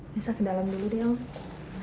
nisa ke dalam dulu deh om